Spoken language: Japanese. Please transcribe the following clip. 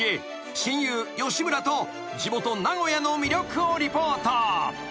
親友吉村と地元名古屋の魅力をリポート］